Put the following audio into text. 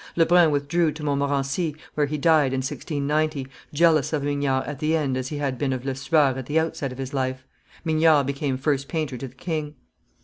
Lebrun withdrew to Montmorency, where he died in 1690, jealous of Mignard at the end as he had been of Lesueur at the outset of his life. Mignard became first painter to the king.